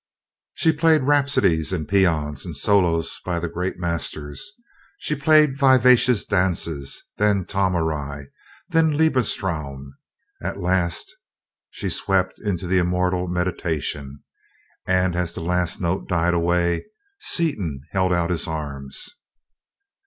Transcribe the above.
She played rhapsodies and paeans, and solos by the great masters. She played vivacious dances, then "Traumerei" and "Liebestraum." At last she swept into the immortal "Meditation," and as the last note died away Seaton held out his arms.